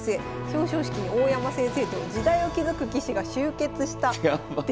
表彰式に大山先生と時代を築く棋士が集結したやばっ。